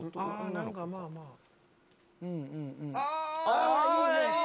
あいいね。